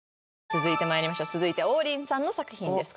続いてまいりましょう続いて王林さんの作品です